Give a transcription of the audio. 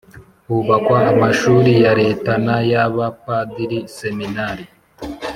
hubakwa amashuri ya leta n’ay’abapadiri(seminari).